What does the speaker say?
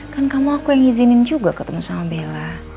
kan kamu aku yang izinin juga ketemu sama bella